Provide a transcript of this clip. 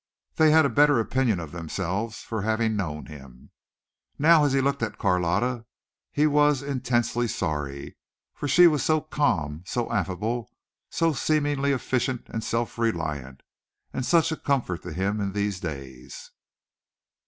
They had a better opinion of themselves for having known him. Now as he looked at Carlotta he was intensely sorry, for she was so calm, so affable, so seemingly efficient and self reliant, and such a comfort to him in these days.